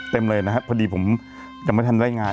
เต็มเลยนะฮะพอดีผมกำลังทำ